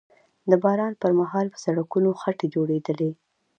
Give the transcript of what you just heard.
د باران پر مهال به په سړکونو خټې جوړېدلې